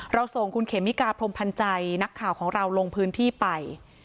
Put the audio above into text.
ส่งคุณเขมิกาพรมพันธ์ใจนักข่าวของเราลงพื้นที่ไป